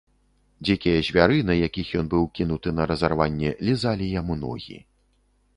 Дзікія звяры, на якіх ён быў кінуты на разарванне, лізалі яму ногі.